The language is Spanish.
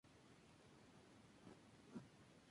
Además, debía repetirse durante la fiesta Heb Sed.